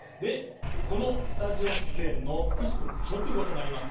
このスタジオ出演のくしくも直後となります。